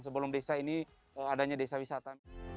sebelum desa ini adanya desa wisata